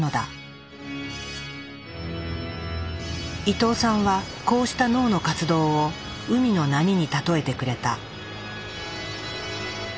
伊藤さんはこうした脳の活動を海の波に例えてくれた。